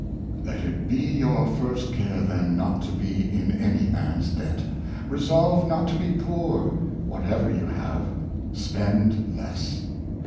Let it be your first care, then, not to be in any man's debt. Resolve not to be poor; whatever you have, spend less.